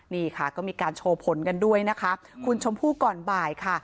นี่ค่ะก็มีการโชว์ผลกันด้วยนะคะคุณชมพู่ก่อนบ่ายค่ะ